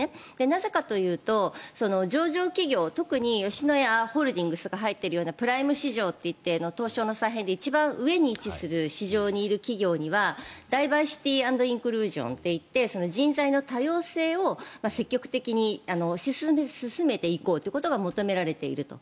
なぜかというと、上場企業特に吉野家ホールディングスが入っているようなプライム市場と言って東証の再編で一番上に位置する市場にいる企業にはダイバーシティー・アンド・インクルージョンといて人材の多様性を積極的に進めていこうということが求められていると。